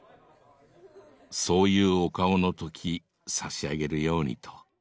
そういうお顔の時差し上げるようにと。